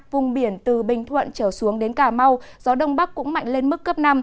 vùng biển từ bình thuận trở xuống đến cà mau gió đông bắc cũng mạnh lên mức cấp năm